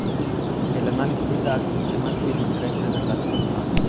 E l’analisi dei dati su tematiche di interesse per la PA.